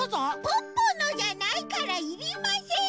ポッポのじゃないからいりません！